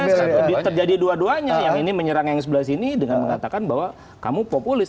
karena terjadi dua duanya yang ini menyerang yang sebelah sini dengan mengatakan bahwa kamu populis